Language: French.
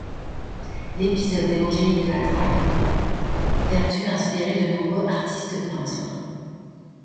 L'épisode évangélique de la drachme perdue a inspiré de nombreux artistes-peintres.